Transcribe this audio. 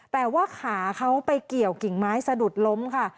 แต่ว่าขาเขาไปเกี่ยวกิ่งไม้สะดุดล้มค่ะ